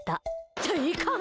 って、いかん！